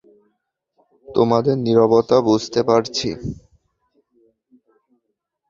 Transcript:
তোমাদের নীরবতা বুঝতে পারছি।